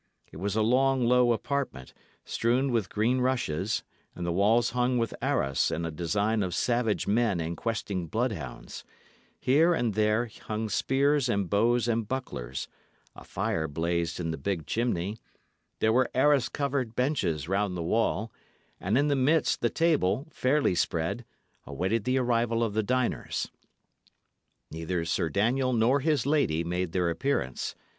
It was a long, low apartment, strewn with green rushes, and the walls hung with arras in a design of savage men and questing bloodhounds; here and there hung spears and bows and bucklers; a fire blazed in the big chimney; there were arras covered benches round the wall, and in the midst the table, fairly spread, awaited the arrival of the diners. Neither Sir Daniel nor his lady made their appearance.